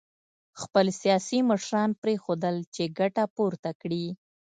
خپل سیاسي مشران پرېنښودل چې ګټه پورته کړي